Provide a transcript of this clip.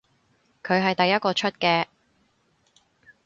佢係第一個出嘅